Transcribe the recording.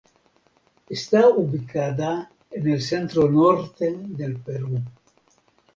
Está ubicada en el centro norte del Perú.